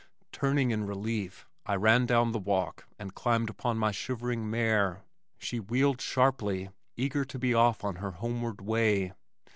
Turning in relief, I ran down the walk and climbed upon my shivering mare. She wheeled sharply, eager to be off on her homeward way.